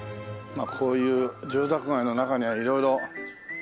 まあこういう住宅街の中には色々。